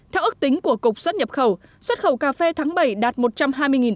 theo ước tính của cục xuất nhập khẩu xuất khẩu cà phê tháng bảy đạt một trăm hai mươi tấn